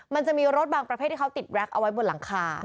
มันจะมีรถบางประเภทที่เขาติดแร็กเอาไว้บนหลังคา